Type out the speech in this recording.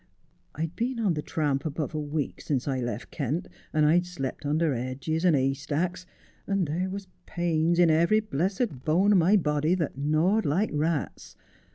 I'd been on the tramp above a week since I left Kent, and I'd slept under 'edges and 'ay stacks, and there was pains in every blessed bone o' my body that gnawed like rats.